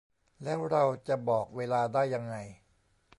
แล้วเราจะบอกเวลาได้ยังไง